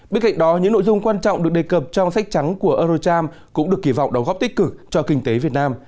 bên cạnh đó những nội dung quan trọng được đề cập trong sách trắng của eurocharm cũng được kỳ vọng đóng góp tích cực cho kinh tế việt nam